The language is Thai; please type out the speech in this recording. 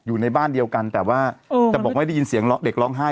อยู่ในบ้านเดียวกันแต่ว่าจะบอกไม่ได้ยินเสียงเด็กร้องไห้